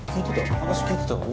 話聞いてた？